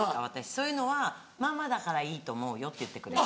そういうのは「ママだからいいと思うよ」って言ってくれる。